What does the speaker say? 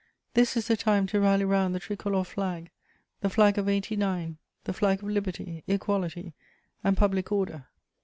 . This is the time to rally round the Tricolour Flag, the flag of '89, the flag of liberty, equality and public order."